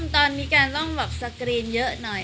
ตอนนี้การต้องแบบสกรีนเยอะหน่อย